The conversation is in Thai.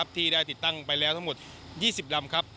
ที่ได้ติดตั้งไปแล้วทั้งหมด๒๐ลำครับ